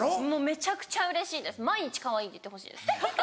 めちゃくちゃうれしいです毎日かわいいって言ってほしいです。